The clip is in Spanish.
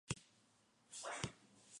La película fue dirigida por Erik Fleming.